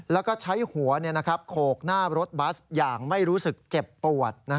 แล้วก็ใช้หัวโขกหน้ารถบัสอย่างไม่รู้สึกเจ็บปวด